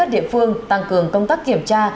để phương tăng cường công tác kiểm tra